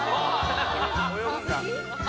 泳ぐんだ。